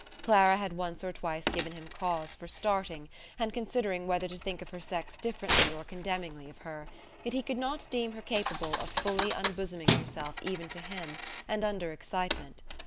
Clara had once or twice given him cause for starting and considering whether to think of her sex differently or condemningly of her, yet he could not deem her capable of fully unbosoming herself even to him, and under excitement.